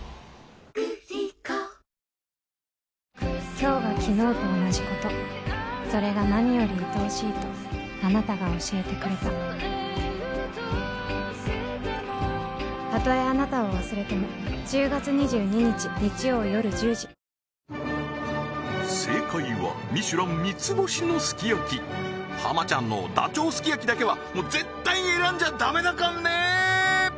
今日は昨日と同じことそれが何よりいとおしいとあなたが教えてくれた正解はミシュラン３つ星のすき焼き浜ちゃんのダチョウすき焼きだけは絶対に選んじゃダメだかんねー！